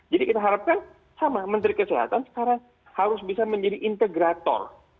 jadi kita harapkan sama menteri kesehatan sekarang harus bisa menjadi integrator